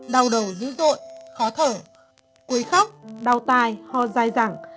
đau đầu dữ dội khó thở quấy khóc đau tai ho dai dẳng